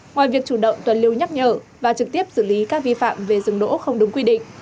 ngoài việc chủ động tuần lưu nhắc nhở và trực tiếp xử lý các vi phạm về rừng đỗ không đúng quy định